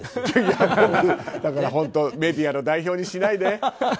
いやいや、だから本当メディアの代表にしないで。